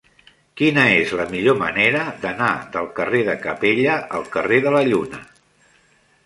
Quina és la millor manera d'anar del carrer de Capella al carrer de la Lluna?